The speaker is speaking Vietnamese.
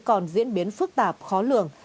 còn diễn biến phức tạp khó lường